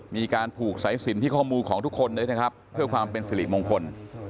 มีการผูกสายสินที่ข้อมือของทุกคนด้วยนะครับเพื่อความเป็นสิริมงคล